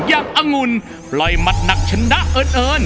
อย่างองุลปล่อยมัดหนักชนะเอิ้น